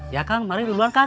iya kang mari duluan kang